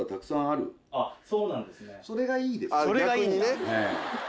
それがいいんだ。